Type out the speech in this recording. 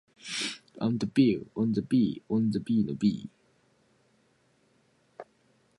She played "Bluebells of Scotland" on a treble recorder.